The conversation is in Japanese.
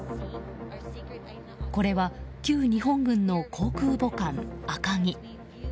これは旧日本軍の航空母艦「赤城」。